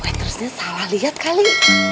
waiter nya salah liat kali